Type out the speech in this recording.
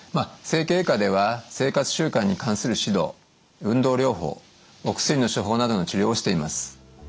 整形外科では生活習慣に関する指導運動療法お薬の処方などの治療をしています。